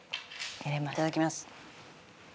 いただきます。